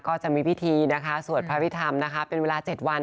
ก็จะมีพิธีสวัสดิ์พระวิธรรมเป็นเวลา๗วัน